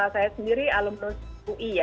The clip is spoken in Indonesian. saya sendiri alumnus ui